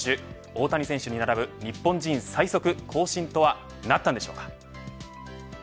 大谷投手に並ぶ日本人最速更新となったんでしょうか。